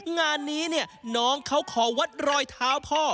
งานนี้เนี่ยน้องเขาขอวัดรอยเท้าพ่อ